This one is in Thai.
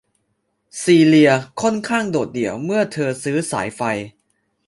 ซีเลียค่อนข้างโดดเดี่ยวเมื่อเธอซื้อสายไฟ